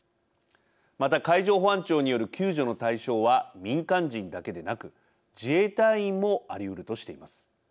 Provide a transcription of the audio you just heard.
また海上保安庁による救助の対象は民間人だけでなく自衛隊員もありうるとしています。